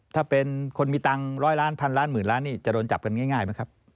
ถ้าเป็นคนมีตังค์๑๐๐ล้านพันล้านหมื่นล้านนี่จะโดนจับกันง่ายไหมครับ